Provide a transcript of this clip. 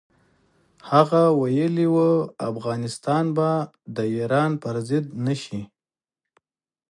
هغه ویلي و، افغانستان به د ایران پر ضد نه شي.